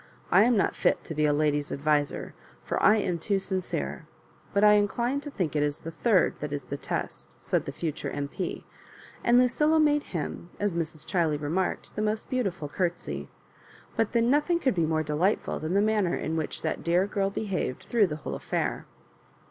"I am not fit to be a lady's adviser, for I am too sincere; but I incline to think it is the third that is the test," said the future M.P. ; and Lucilla made him, as Mrs. Chiley remarked, the most beautiful curtsy; but then nothing could be more delightful than the manner in which that dear girl behaved \hrough the whole affair.